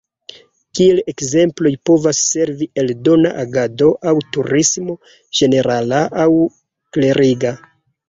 Kiel ekzemploj povas servi eldona agado aŭ turismo (ĝenerala aŭ kleriga).